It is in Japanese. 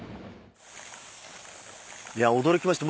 いや驚きました。